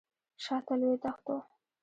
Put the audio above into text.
شاته لوی دښت و.